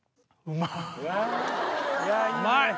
うまい。